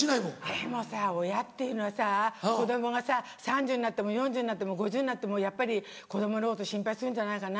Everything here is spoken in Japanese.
でもさ親っていうのはさ子供がさ３０歳になっても４０歳になっても５０歳になってもやっぱり子供のこと心配するんじゃないかな。